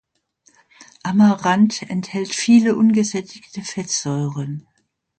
Amarant enthält viele ungesättigte Fettsäuren.